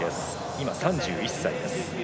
今、３１歳です。